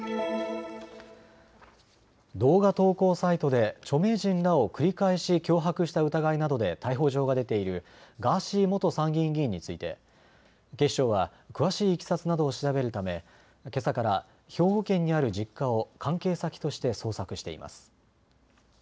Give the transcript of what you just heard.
動画投稿サイトで著名人らを繰り返し脅迫した疑いなどで逮捕状が出ているガーシー元参議院議員について警視庁は詳しいいきさつなどを調べるためけさから兵庫県にある実家を関係先として捜索しています。